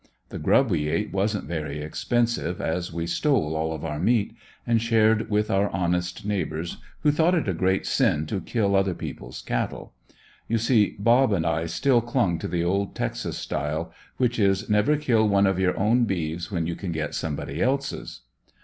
The grub we ate wasn't very expensive as we stole all of our meat, and shared with our honest neighbors who thought it a great sin to kill other people's cattle. You see "Bob" and I still clung to the old Texas style which is, never kill one of your own beeves when you can get somebody else's.